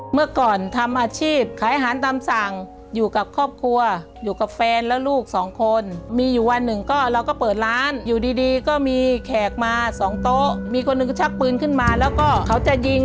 เมื่อก่อนทำอาชีพขายอาหารตามสั่งอยู่กับครอบครัวอยู่กับแฟนแล้วลูกสองคนมีอยู่วันหนึ่งก็เราก็เปิดร้านอยู่ดีดีก็มีแขกมาสองโต๊ะมีคนหนึ่งก็ชักปืนขึ้นมาแล้วก็เขาจะยิง